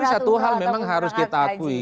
ini satu hal memang harus kita akui